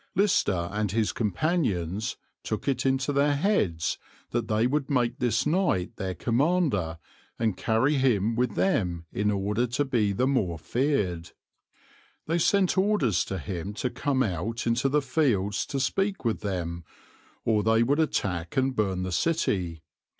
Lister and his companions took it into their heads they would make this knight their commander and carry him with them in order to be the more feared. They sent orders to him to come out into the fields to speak with them, or they would attack and burn the city.